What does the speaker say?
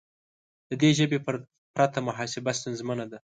د دې ژبې پرته محاسبه ستونزمنه ده.